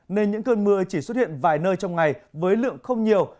nên những cơn mưa chỉ xuất hiện vài nơi trong ngày với lượng không nhiều